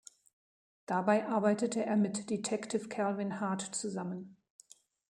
Dabei arbeitet er mit Detective Calvin Hart zusammen.